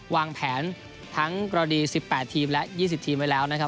วางแผนทั้งกรณี๑๘ทีมและ๒๐ทีมไว้แล้วนะครับ